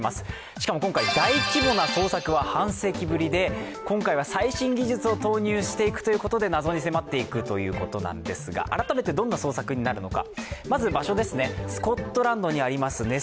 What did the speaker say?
しかも今回、大規模な捜索は半世紀ぶりで今回は最新技術を投入していくということで謎に迫っていくということなんですが、改めてどんな捜索になるのか。